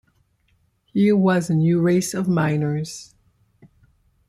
Here was a new race of miners.